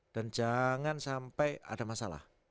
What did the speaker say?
dan jangan sampai ada masalah